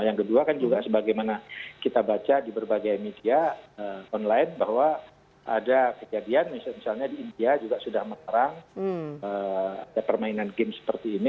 yang kedua kan juga sebagaimana kita baca di berbagai media online bahwa ada kejadian misalnya di india juga sudah melarang ada permainan game seperti ini